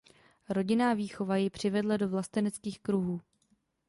Rodinná výchova ji přivedla do vlasteneckých kruhů.